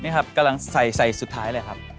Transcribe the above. นี่ครับกำลังใส่ใส่สุดท้ายเลยครับ